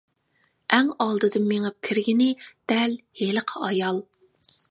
ئەڭ ئالدىدا مېڭىپ كىرگىنى دەل ھېلىقى ئايال.